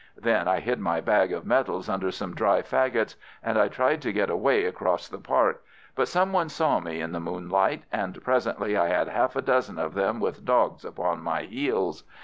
Then I hid my bag of medals under some dry fagots, and I tried to get away across the park, but some one saw me in the moonlight, and presently I had half a dozen of them with dogs upon my heels.